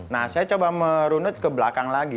nah saya coba merunut ke belakang lagi